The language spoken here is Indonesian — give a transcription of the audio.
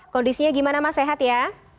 kondisinya gimana mas sehat ya